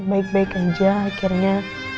baik baik aja akhirnya